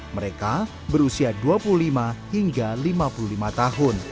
mereka berusia dua puluh lima hingga lima puluh lima tahun